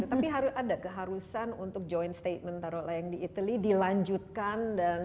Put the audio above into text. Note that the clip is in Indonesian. tapi ada keharusan untuk joint statement taruh layang di italy dilanjutkan dan